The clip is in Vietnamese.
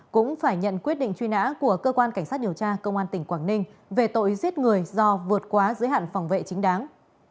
cũng phải nhận quyết định truy nã của cơ quan cảnh sát điều tra công an tỉnh quảng ninh về tội giết người do vượt quá giới hạn phòng vệ chính đáng